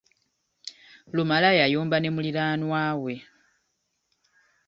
Lumala yayomba ne muliraanwawe.